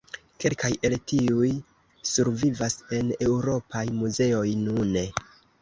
Kelkaj el tiuj survivas en eŭropaj muzeoj nune.